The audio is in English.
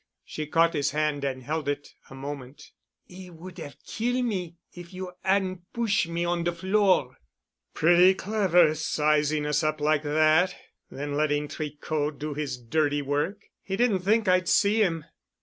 She caught his hand and held it a moment. "'E would 'ave kill' me if you 'adn' push' me on de floor." "Pretty clever, sizing us up like that, then letting Tricot do his dirty work. He didn't think I'd see him.